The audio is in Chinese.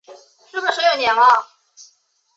你在不经意中悄悄出现